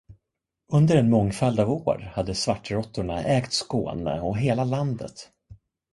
Under en mångfald av år hade svartråttorna ägt Skåne och hela landet.